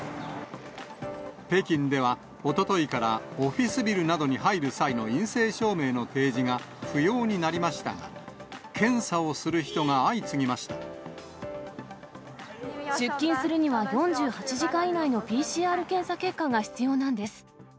北京では、おとといからオフィスビルなどに入る際の陰性証明の提示が不要になりましたが、出勤するには、４８時間以内のＰＣＲ検査結果が必要なんです。